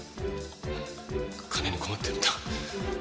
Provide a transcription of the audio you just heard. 金に困ってるんだ。